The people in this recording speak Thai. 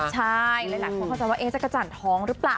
ใช่หลายคนเข้าใจว่าจักรจันทร์ท้องหรือเปล่า